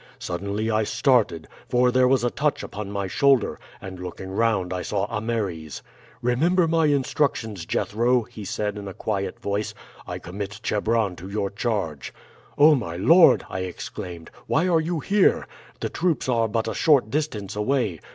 Suddenly I started, for there was a touch upon my shoulder, and looking round I saw Ameres. 'Remember my instructions, Jethro,' he said in a quiet voice; 'I commit Chebron to your charge.' "'Oh, my lord!' I exclaimed, 'why are you here? The troops are but a short distance away.